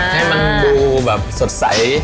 ให้มันดูแบบสดใส